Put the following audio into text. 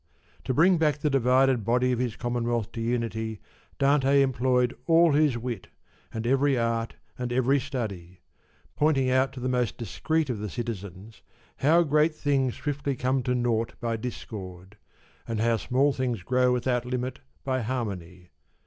To bring back the divided body of his Commonwealth to unity Dante employed all his wit, and every art and every study ; pointing out to the most discreet of the citizens how great things swiftly come to nought by discord, and small things grow without limit by harmony.